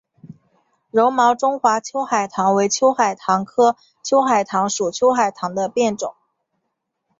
柔毛中华秋海棠为秋海棠科秋海棠属秋海棠的变种。